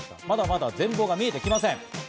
まだまだ全貌が見えてきません。